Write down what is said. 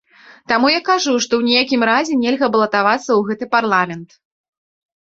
Таму я кажу, што ў ніякім разе нельга балатавацца ў гэты парламент.